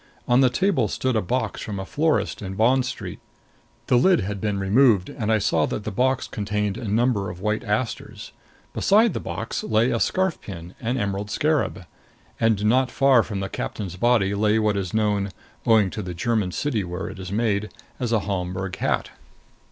On the table stood a box from a florist in Bond Street. The lid had been removed and I saw that the box contained a number of white asters. Beside the box lay a scarf pin an emerald scarab. And not far from the captain's body lay what is known owing to the German city where it is made as a Homburg hat.